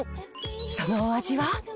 そのお味は？